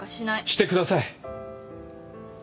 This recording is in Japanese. してください。